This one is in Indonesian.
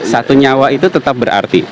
satu nyawa itu tetap berarti